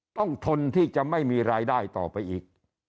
ทนที่จะไม่มีรายได้ต่อไปอีก